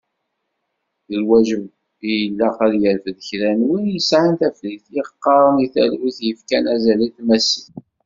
D lwaǧeb i ilaq ad yerfed kra n win yesεan tafrit, yeɣɣaren i talwit, yefkan azal i tmasit.